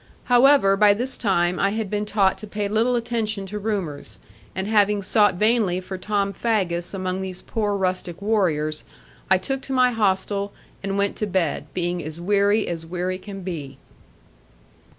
However, by this time I had been taught to pay little attention to rumours; and having sought vainly for Tom Faggus among these poor rustic warriors, I took to my hostel; and went to bed, being as weary as weary can be.